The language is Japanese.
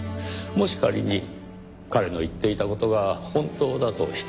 もし仮に彼の言っていた事が本当だとしたら。